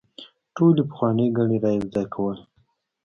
ټولې پخوانۍ ګڼې رايوځاي کول